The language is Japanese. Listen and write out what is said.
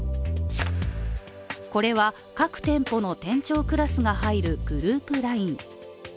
これは各店舗の店長クラスが入るグループＬＩＮＥ。